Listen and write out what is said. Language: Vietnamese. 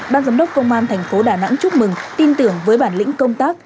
ban giám đốc công an thành phố đà nẵng chúc mừng tin tưởng với bản lĩnh công tác